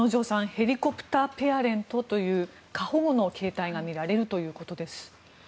ヘリコプター・ペアレントという過保護の形態が見られるということです。